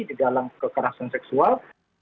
di dalam kekerasan seksual